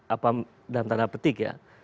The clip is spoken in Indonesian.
apa dalam tanda petik ya